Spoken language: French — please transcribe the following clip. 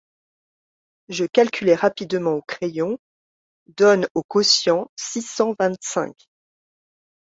Je calculai rapidement au crayon :«… donnent au quotient six cent vingt-cinq.